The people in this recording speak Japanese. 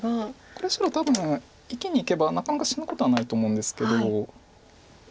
これ白多分生きにいけばなかなか死ぬことはないと思うんですけど。